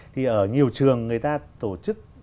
thì ở nhiều trường người ta tổ chức